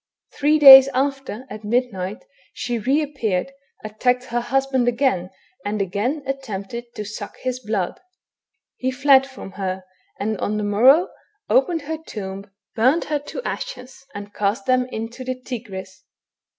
Three days after, at midnight, she re appeared, attacked her husband again, and again attempted to suck his blood. He fled from her, and on the morrow opened her tomb, burned her to ashes, and cast them into the Tigris.